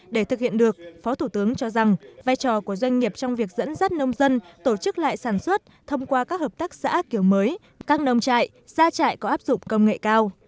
để thực hiện được phó thủ tướng cho rằng vai trò của doanh nghiệp trong việc dẫn dắt nông dân tổ chức lại sản xuất thông qua các hợp tác xã kiểu mới các nông trại gia trại có áp dụng công nghệ cao